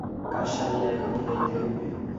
কাজ সারিয়া এখনই যাইতে হইবে।